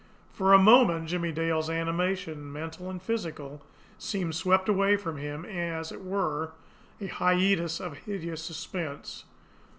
For a moment Jimmie Dale's animation, mental and physical, seemed swept away from him in, as it were, a hiatus of hideous suspense.